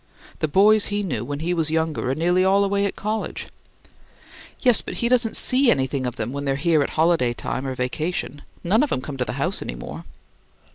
The boys he knew when he was younger are nearly all away at college." "Yes, but he doesn't see anything of 'em when they're here at holiday time or vacation. None of 'em come to the house any more."